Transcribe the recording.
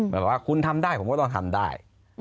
บอกว่าคุณทำได้ผมก็ต้องทำได้